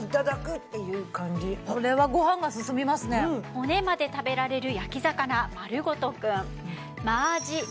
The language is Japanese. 骨まで食べられる焼き魚まるごとくん。